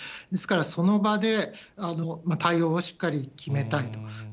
ですからその場で、対応をしっかり決めたいと。